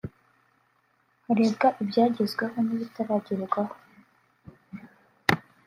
harebwa ibyagezweho n’ibitaragerwaho